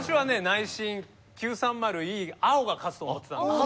内心９３０Ｅ青が勝つと思ってたんです。